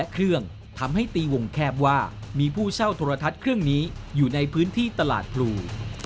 เครื่องทำให้ตีวงแคบว่ามีผู้เช่าโทรทัศน์เครื่องนี้อยู่ในพื้นที่ตลาดพลู